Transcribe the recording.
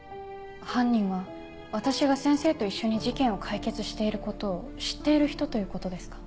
犯人は私が先生と一緒に事件を解決していることを知っている人ということですか？